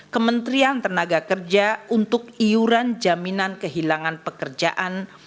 kementerian tenaga kerja untuk iuran jaminan kehilangan pekerjaan